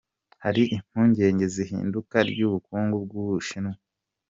Hari impungenge z’ihinduka ry’ubukungu bw’u Bushinwa.